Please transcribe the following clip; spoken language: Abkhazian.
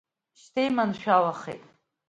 Шьҭа иманшәалахеит.